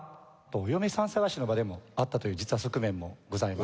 お嫁さん探しの場でもあったという実は側面もございます。